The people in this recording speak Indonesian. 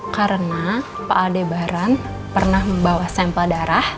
karena pak aldebaran pernah membawa sampel darah